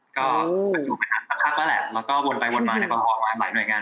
ก็อยู่เหมือนกันสักครั้งแล้วแหละแล้วก็วนไปวนมาในประหว่างมาหลายหน่วยงาน